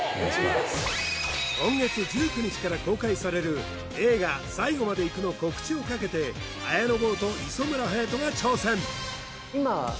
今月１９日から公開される映画「最後まで行く」の告知をかけて綾野剛と磯村勇斗が挑戦！